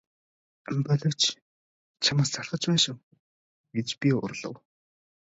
Болиоч чамаас залхаж байна шүү гэж би уурлав.